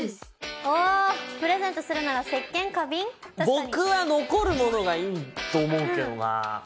僕は残るものがいいと思うけどな花びん。